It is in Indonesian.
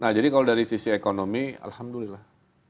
nah jadi kalau dari sisi ekonomi alhamdulillah